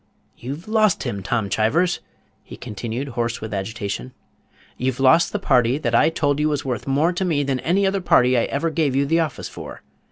"You've lost him, Tom Chivers!" he continued, hoarse with agitation. "You've lost the party that I told you was worth more to me than any other party I ever gave you the office for.